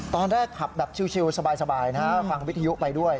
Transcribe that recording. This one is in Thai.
ตอนแรกขับแบบชิลสบายนะฟังวิทยุไปด้วย